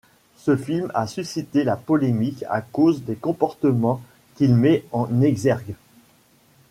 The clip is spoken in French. Ce film a suscité la polémique à cause des comportements qu'il met en exergue.